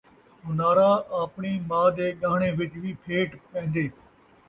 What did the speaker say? سنارا آپݨی ماء دے ڳاہݨے وِچ وی پھیٹ پین٘دے